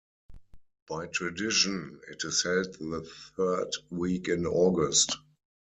By tradition it is held the third week in August.